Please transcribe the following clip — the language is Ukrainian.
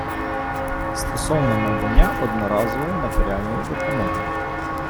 Стосовно надання одноразової матеріальної допомоги.